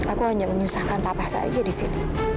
aku hanya menyusahkan papa saja di sini